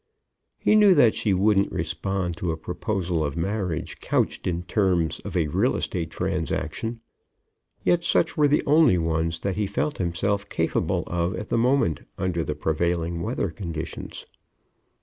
He knew that she wouldn't respond to a proposal of marriage couched in terms of a real estate transaction. Yet such were the only ones that he felt himself capable of at the moment under the prevailing weather conditions.